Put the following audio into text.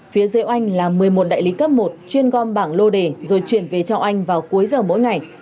phía dưới oanh là một mươi một đại lý cấp một chuyên gom bảng lô đề rồi chuyển về cho anh vào cuối giờ mỗi ngày